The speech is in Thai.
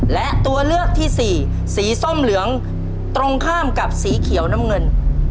และตัวเลือกที่สี่สีส้มเหลืองตรงข้ามกับสีเขียวน้ำเงิน